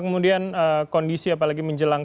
kemudian kondisi apalagi menjelang